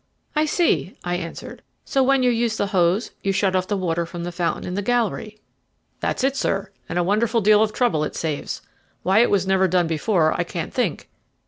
"I see," I answered; "so when you use the hose you shut off the water from the fountain in the gallery." "That's it, sir, and a wonderful deal of trouble it saves. Why it was never done before I can't think."